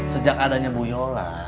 sejak adanya bu yola